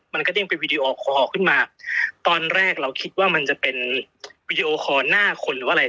มันก็เด้งเป็นวีดีโอคอลขึ้นมาตอนแรกเราคิดว่ามันจะเป็นวีดีโอคอลหน้าคนหรือว่าอะไร